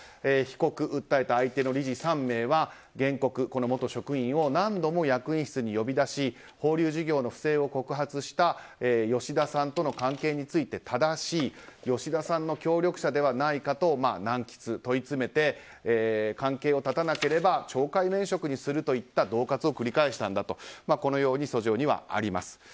被告、訴えた相手の理事３名は原告、元職員を何度も役員室に呼び出し放流事業の不正を告発した吉田さんとの関係についてただし吉田さんの協力者ではないかと難詰問い詰めて、関係を絶たなければ懲戒免職にするといった恫喝を繰り返したんだとこのように訴状にはあります。